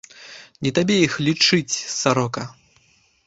Не табе іх лічыць, сарока!